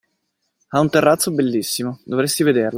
Ha un terrazzo bellissimo, dovresti vederla.